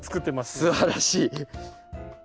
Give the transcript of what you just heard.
すばらしい。